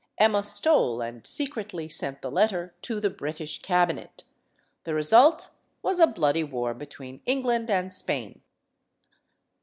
Emma stole and secretly sent the letter to the British cabinet. The result was a bloody war between England and Spain.